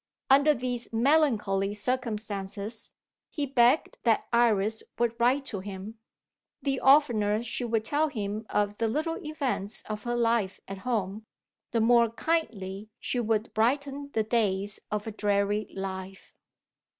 Under these melancholy circumstances, he begged that Iris would write to him. The oftener she could tell him of the little events of her life at home, the more kindly she would brighten the days of a dreary life.